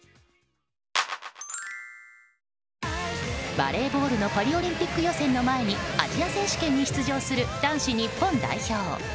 バレーボールのパリオリンピック予選の前にアジア選手権に出場する男子日本代表。